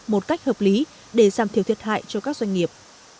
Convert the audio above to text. một cách hợp lý để giảm thiểu thiệt hại cho các doanh nghiệp